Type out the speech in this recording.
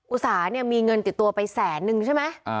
อุตสาเนี่ยมีเงินติดตัวไปแสนนึงใช่ไหม